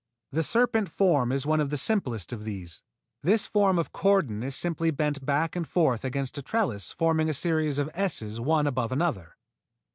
The serpent form is one of the simplest of these. This form of cordon is simply bent back and forth against a trellis forming a series of S's one above another.